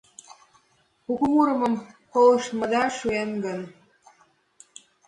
Куку мурымым колыштмыда шуэш гын